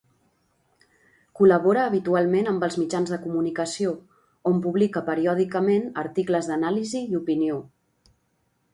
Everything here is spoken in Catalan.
Col·labora habitualment amb els mitjans de comunicació, on publica periòdicament articles d'anàlisi i opinió.